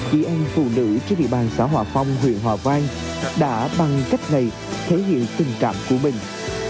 chị em phụ nữ trên địa bàn xã hòa phong huyện hòa vang đã bằng cách này thể hiện tình cảm của mình